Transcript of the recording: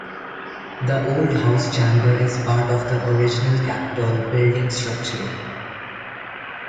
The Old House Chamber is part of the original Capitol building structure.